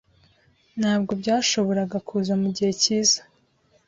Ntabwo byashoboraga kuza mugihe cyiza.